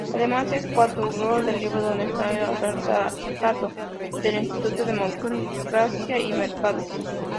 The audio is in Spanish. Además es coautor del libro "Donde está el relato" del Instituto Democracia y Mercado.